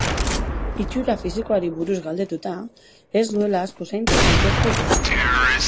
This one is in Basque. Itxura fisikoari buruz galdetuta, ez duela asko zaintzen aitortu du.